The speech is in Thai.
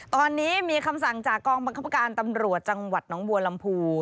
ตอนนี้มีคำสั่งจากกองบังคับการตำรวจจังหวัดน้องบัวลำพู